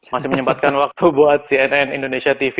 masih menyempatkan waktu buat cnn indonesia tv